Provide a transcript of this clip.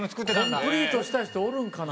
コンプリートした人おるんかな？